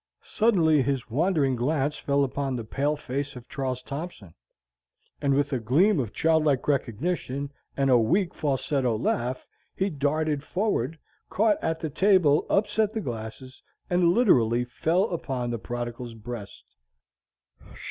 Suddenly, his wandering glance fell upon the pale face of Charles Thompson; and with a gleam of childlike recognition, and a weak, falsetto laugh, he darted forward, caught at the table, upset the glasses, and literally fell upon the prodigal's breast.